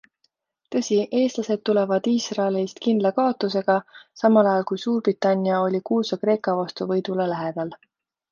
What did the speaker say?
Tõsi, eestlased tulevad Iisraelist kindla kaotusega, samal ajal kui Suurbritannia oli kuulsa Kreeka vastu võidule lähedal.